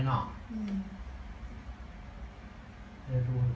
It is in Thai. อ่อมันจะเดินเลย